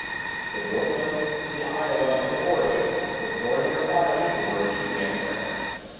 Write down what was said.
The "Brooklyn," the "Iowa," and the "Oregon" were pouring their fire into her as she ran aground.